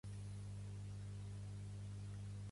Tant l'olor que desprèn com el sabor de la carn són putrefactes